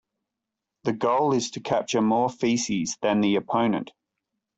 The goal is to capture more feces than the opponent.